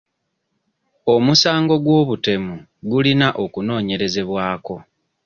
Omusango gw'obutemu gulina okunoonyerezebwako.